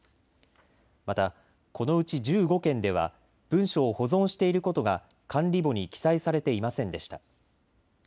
また、このうち１５件では文書を保存していることが管理簿に記載されていませんでした。